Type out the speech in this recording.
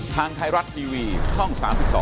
ทางไทยรัฐทีวีช่อง๓๒